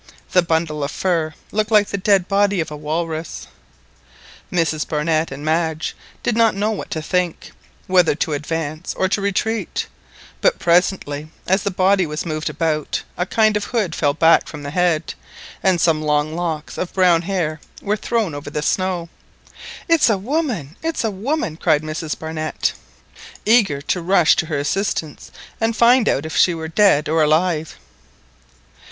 The bundle of fur looked like the dead body of a walrus. Mrs Barnett and Madge did not know what to think, whether to advance or to retreat, but presently as the body was moved about a kind of hood fell back from the head, and some long locks of brown hair were thrown over the snow. "It is a woman! a woman!" cried Mrs Barnett, eager to rush to her assistance and find out if she were dead or alive!